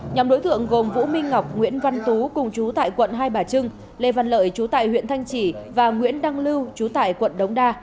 nhóm đối tượng gồm vũ minh ngọc nguyễn văn tú cùng chú tại quận hai bà trưng lê văn lợi chú tại huyện thanh trì và nguyễn đăng lưu trú tại quận đống đa